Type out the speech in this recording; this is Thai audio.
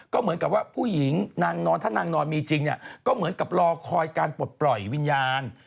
ก็เหมือนกับว่าผู้หญิงนางนอนถ้านางนอนมีจริงเนี่ยก็เหมือนกับรอคอยการปลดปล่อยวิญญาณ